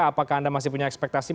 apakah anda masih punya ekspektasi